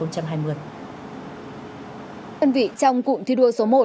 các quý vị trong cụm thi đua số một